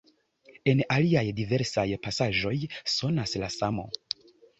En aliaj diversaj pasaĵoj sonas la samo.